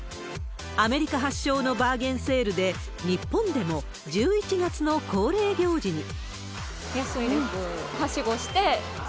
アメリカ発祥のバーゲンセールで、日本でも１１月の恒例行事に。